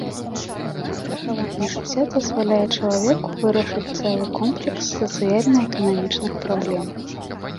Страхаванне жыцця дазваляе чалавеку вырашыць цэлы комплекс сацыяльна-эканамічных праблем.